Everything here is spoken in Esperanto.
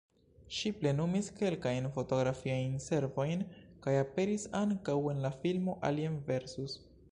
Ŝi plenumis kelkajn fotografiajn servojn kaj aperis ankaŭ en la filmo "Alien vs.